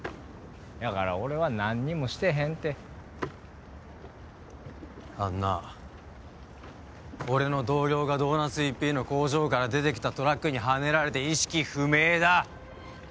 やから俺は何にもしてへんてあんなあ俺の同僚がドーナツＥＰの工場から出てきたトラックにはねられて意識不明だ